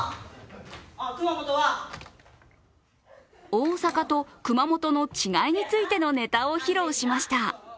大阪と熊本の違いについてのネタを披露しました。